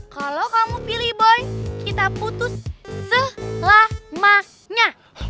kalau kamu pilih boy kita putus selamanya